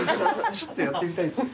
ちょっとやってみたいですね